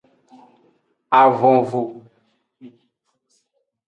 Avonvu.